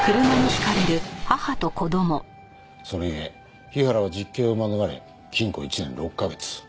それゆえ日原は実刑を免れ禁固１年６カ月執行